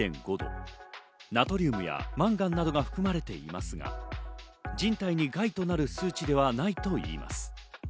ナトリウムやマンガンなどが含まれていますが、人体に害となる数字ではないといいます。